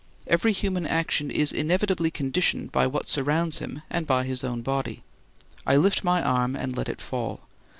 Every human action is inevitably conditioned by what surrounds him and by his own body. I lift my arm and let it fall.